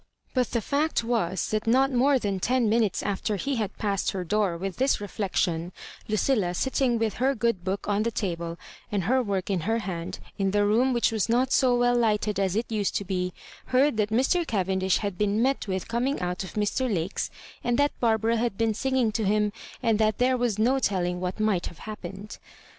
But the fact was, that not more than ten mi nutes after he had passed her door with this reflection, Lucilla^ sitting with ner good book on the table and her work in her hand, in the room which was not so well lighted as it used to be, heard that Mr. Gayendish had been met with coming out of Mr. Lake's, and that Bar bara had been singing to him, and that there was no telling what might haye happened.